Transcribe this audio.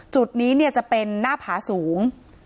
จุดนี้จะเป็นหน้าผาสูง